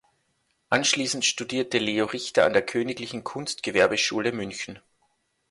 Anschließend studierte Leo Richter an der Königlichen Kunstgewerbeschule München.